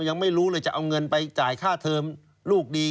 ยังไม่รู้เลยจะเอาเงินไปจ่ายค่าเทอมลูกดี